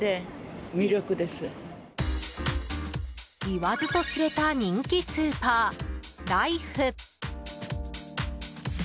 言わずと知れた人気スーパーライフ。